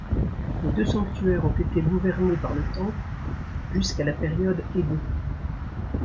Les deux sanctuaires ont été gouvernés par le temple jusqu'à la période Edo.